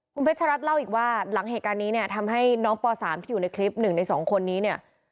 คุณเพชรรัฐเล่าอีกว่าหลังเหตุการณ์นี้เนี่ยทำให้น้องป๓ที่อยู่ในคลิป๑ใน๒คนนี้เนี่ย